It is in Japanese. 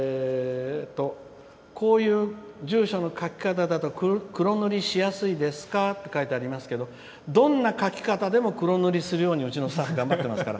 こういう住所の書き方だと黒塗りしやすいですか？って書いてありますけどどんな書き方でも黒塗りするようにうちのスタッフ頑張ってますから。